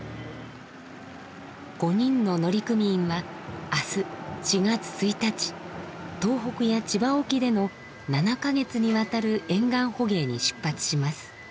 ５人の乗組員は明日４月１日東北や千葉沖での７か月にわたる沿岸捕鯨に出発します。